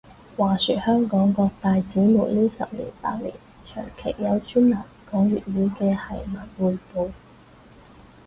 話說香港各大紙媒呢十年八年，長期有專欄講粵語嘅係文匯報